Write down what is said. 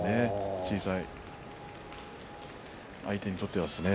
小さい相手にとってはですね。